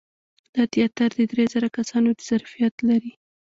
دا تیاتر د درې زره کسانو د ظرفیت لري.